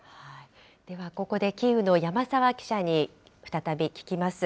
ではここで、キーウの山澤記者に再び聞きます。